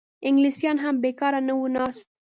انګلیسیان هم بېکاره نه وو ناست.